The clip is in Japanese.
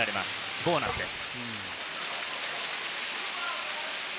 ボーナスです。